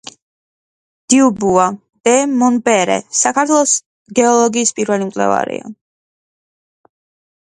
დიუბუა დე მონპერე საქართველოს გეოლოგიის პირველი მკვლევარია.